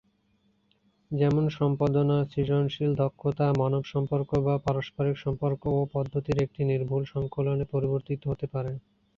যেমন- সম্পাদনা সৃজনশীল দক্ষতা, মানব সম্পর্ক/পারস্পরিক সম্পর্ক ও পদ্ধতির একটি নির্ভুল সংকলনে পরিবর্তিত হতে পারে।